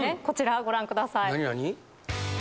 こちらご覧ください。